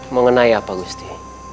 mengenai apa gusti